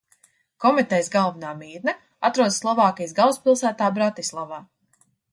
Komitejas galvenā mītne atrodas Slovākijas galvaspilsētā Bratislavā.